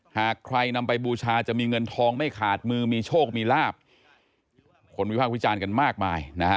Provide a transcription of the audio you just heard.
หากใครนำไปบูชาจะมีเงินทองไม่ขาดมือมีโชคมีลาบคนวิพากษ์วิจารณ์กันมากมายนะฮะ